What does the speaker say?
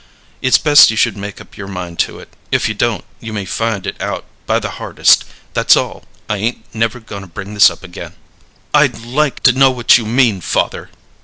It's best you should make up your mind to it; if you don't, you may find it out by the hardest. That's all. I ain't never goin' to bring this up again." "I'd like to know what you mean, father."